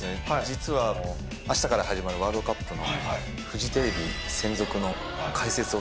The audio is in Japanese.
実はあしたから始まるワールドカップのフジテレビ専属の解説をさせて。